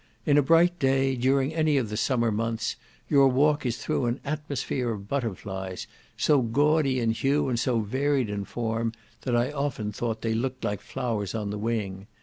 In a bright day, during any of the summer months, your walk is through an atmosphere of butterflies, so gaudy in hue, and so varied in form, that I often thought they looked like flowers on the wing.